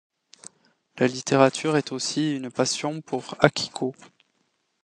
La littérature est aussi une passion pour Akiko.